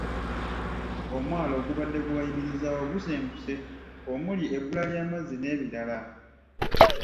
Omwalo ogubadde gubayimirizaawo gusenguse omuli ebbula ly’amazzi n’ebirala.